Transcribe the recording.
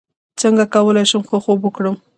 څنګه کولی شم ښه خوب وکړم